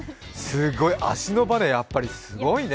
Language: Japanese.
すっごい、足のバネやっぱりすごいね。